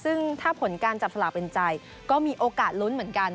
ซึ่งถ้าผลการจับสลากเป็นใจก็มีโอกาสลุ้นเหมือนกัน